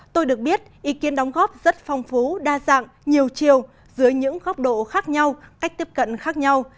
tôi được biết ý kiến đóng góp rất phong phú đa dạng nhiều chiều dưới những góc độ khác nhau cách tiếp cận khác nhau